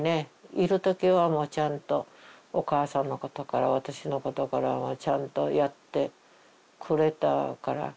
いる時はもうちゃんとお母さんのことから私のことからちゃんとやってくれたから。